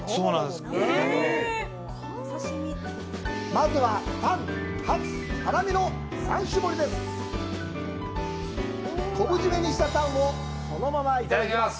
まずは、タンとハツとハラミの３種盛り昆布締めにしたタンをそのままいただきます。